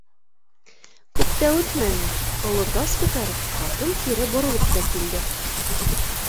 Күп тә үтмәне, оло тас күтәреп, ҡатын кире боролоп та килде